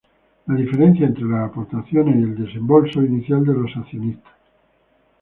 La diferencia entre las aportaciones y el desembolso inicial de los accionistas.